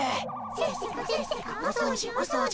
せっせかせっせかお掃除お掃除。